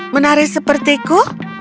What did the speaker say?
menari seperti ku